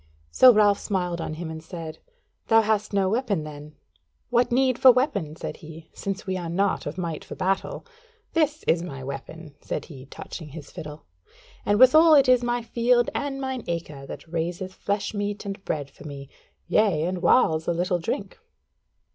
So Ralph smiled on him and said: "Thou hast no weapon, then?" "What need for weapon?" said he; "since we are not of might for battle. This is my weapon," said he, touching his fiddle, "and withal it is my field and mine acre that raiseth flesh meat and bread for me: yea, and whiles a little drink."